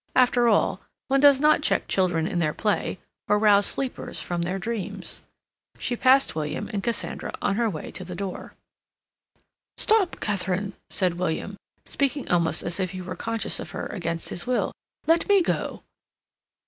After all, one does not check children in their play, or rouse sleepers from their dreams. She passed William and Cassandra on her way to the door. "Stop, Katharine," said William, speaking almost as if he were conscious of her against his will. "Let me go."